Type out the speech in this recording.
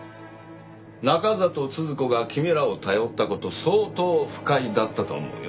中郷都々子が君らを頼った事相当不快だったと思うよ。